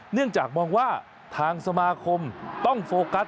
เนื่องจากมองว่าทางสมาคมต้องโฟกัส